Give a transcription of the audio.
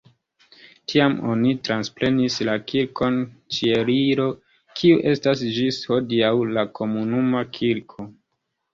Tiam oni transprenis la Kirkon Ĉieliro kiu estas ĝis hodiaŭ la komunuma kirko.